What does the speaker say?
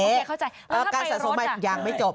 การสะสมใหม่ยังไม่จบ